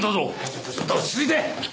ちょっとちょっと落ち着いて！